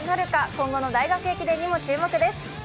今後の大学駅伝にも注目です。